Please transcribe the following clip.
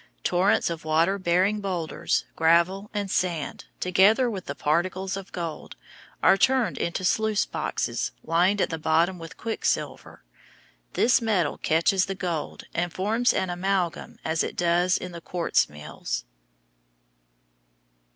Torrents of water bearing boulders, gravel, and sand, together with the particles of gold, are turned into sluice boxes lined at the bottom with quick silver. This metal catches the gold and forms an amalgam as it does in the quartz mills.